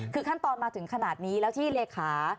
คือขั้นตอนมาถึงขนาดนี้แล้วที่เลขา